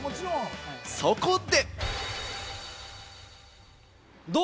そこで。